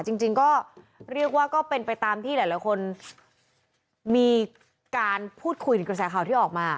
จริงก็เรียกว่าก็เป็นไปตามที่หลายคนมีการพูดคุยถึงกระแสข่าวที่ออกมา